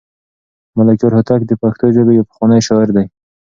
ملکیار هوتک د پښتو ژبې یو پخوانی شاعر دی.